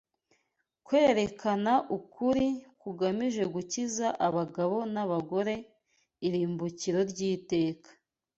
kwerekana ukuri kugamije gukiza abagabo n’abagore irimbukiro ry’iteka.